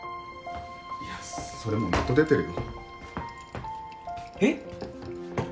いやそれもうネット出てるよえっ？